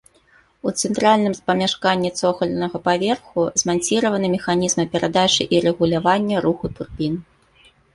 У цэнтральным памяшканні цокальнага паверху зманціраваныя механізмы перадачы і рэгулявання руху турбін.